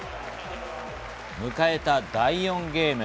迎えた第４ゲーム。